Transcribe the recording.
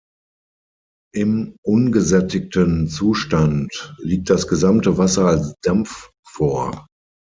Im ungesättigten Zustand liegt das gesamte Wasser als Dampf vor.